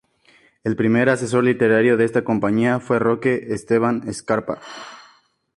El primer asesor literario de esta compañía fue Roque Esteban Scarpa.